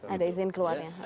ada izin keluarnya